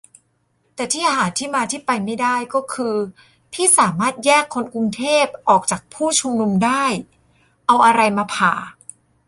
แต่ที่หาที่มาที่ไปไม่ได้ ก็คือ พี่สามารถแยกคนกรุงเทพออกจากผู้ชุมนุมได้ ! ? เอาอะไรมาผ่า ?